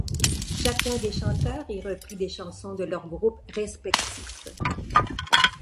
Chacun des chanteurs y reprit des chansons de leur groupe respectif.